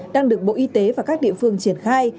đang được bộ y tế và các địa phương triển khai